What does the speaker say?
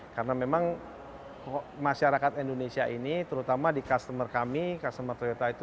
karena memang masyarakat indonesia ini terutama di customer kami customer toyota itu